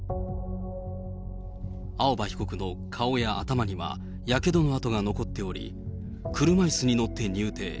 青葉被告の顔や頭にはやけどの痕が残っており、車いすに乗って入廷。